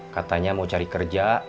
katanya mau cari kerja